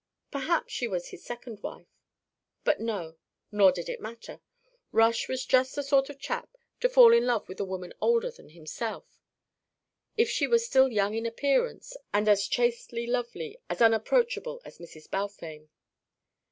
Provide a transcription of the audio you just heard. Perhaps she was his second wife but no nor did it matter. Rush was just the sort of chap to fall in love with a woman older than himself, if she were still young in appearance and as chastely lovely, as unapproachable, as Mrs. Balfame.